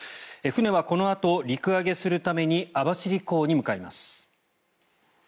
船はこのあと陸揚げするために網走港に向かいます。